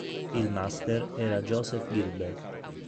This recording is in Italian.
Il "master" era Joseph Gilbert.